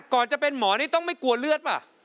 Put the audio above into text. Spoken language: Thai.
จะเป็นหมอนี่ต้องไม่กลัวเลือดป่ะ